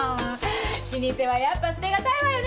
老舗はやっぱ捨てがたいわよね